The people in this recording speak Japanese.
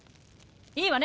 いいわね？